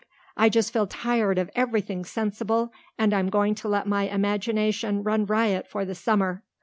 I just feel tired of everything sensible and I'm going to let my imagination run riot for the summer.